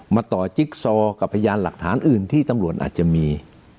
ต่อจิ๊กซอกับพยานหลักฐานอื่นที่ตำรวจอาจจะมี